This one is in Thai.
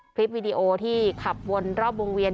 วิดีโอที่ขับวนรอบวงเวียน